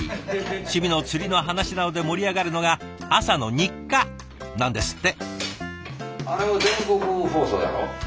趣味の釣りの話などで盛り上がるのが朝の日課なんですって。